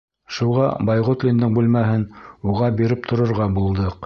Шуға Байғотлиндың бүлмәһен уға биреп торорға булдыҡ.